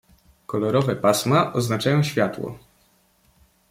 "Kolorowe pasma oznaczają światło."